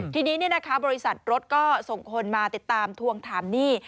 ทีนี้บริษัทรถก็ส่งคนมาติดตามทวงถามหนี้